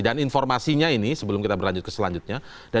dan informasinya ini sebelum kita berlanjut ke selanjutnya